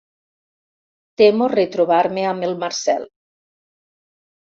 Temo retrobar-me amb el Marcel.